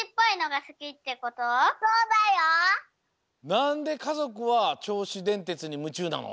なんでかぞくはちょうしでんてつにむちゅうなの？